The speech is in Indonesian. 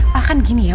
pak kan gini ya